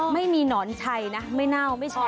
ไม่มีหนอนชัยนะไม่เน่าไม่ชอบ